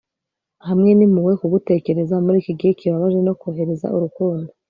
hamwe n'impuhwe, kugutekereza muri iki gihe kibabaje no kohereza urukundo